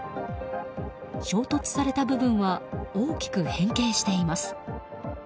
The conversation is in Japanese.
衝突された部分は大きく変形しています。